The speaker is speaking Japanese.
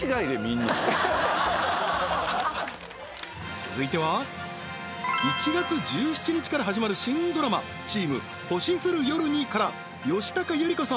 続いては１月１７日から始まる新ドラマチーム星降る夜にから吉高由里子様